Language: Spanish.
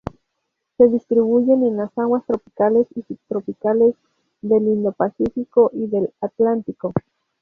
Se distribuyen en las aguas tropicales y subtropicales del Indo-Pacífico y del Atlántico.